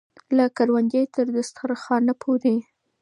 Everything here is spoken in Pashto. له کروندې تر دسترخانه پورې.